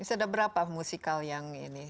sudah berapa musikal yang ini